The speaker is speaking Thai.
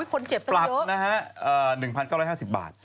คนเจ็บกันเยอะปรับ๑๙๕๐บาท